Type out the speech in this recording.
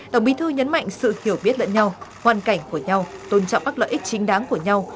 tổng bí thư nhấn mạnh sự hiểu biết lẫn nhau hoàn cảnh của nhau tôn trọng các lợi ích chính đáng của nhau